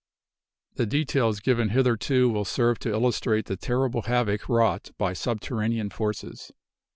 The details given hitherto will serve to illustrate the terrible havoc wrought by subterranean forces.